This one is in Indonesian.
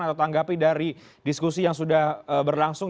atau tanggapi dari diskusi yang sudah berlangsung